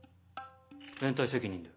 連帯責任だよ。